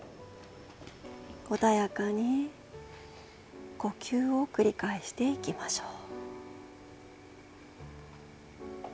穏やかに呼吸を繰り返していきましょう。